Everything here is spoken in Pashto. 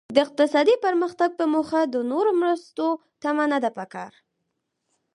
د اقتصادي پرمختګ په موخه د نورو مرستو تمه نده پکار.